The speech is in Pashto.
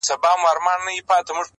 سياسي نقد ته بيايي,